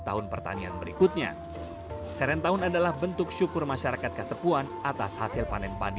tahun pertanian berikutnya serentahun adalah bentuk syukur masyarakat kasepuan atas hasil panen padi